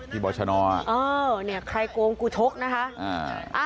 ที่บอร์ชนอร์อ้าวใครโกงกูชกนะคะ